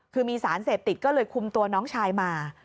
คือมีสารเสพติดก็เลยคุมตัวน้องชายมา